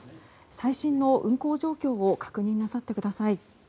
最新の運航状況を確認なさってください。